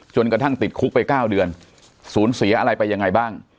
กระทั่งติดคุกไป๙เดือนสูญเสียอะไรไปยังไงบ้าง